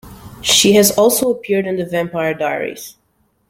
She has also appeared in "The Vampire Diaries".